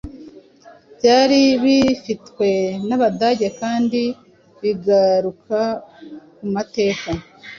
byari bifitwe n’Abadage kandi bigaruka ku mateka